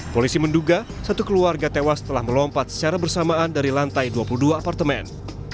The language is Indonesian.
polisi menduga satu keluarga tewas telah melompat secara bersamaan dari lantai dua puluh dua apartemen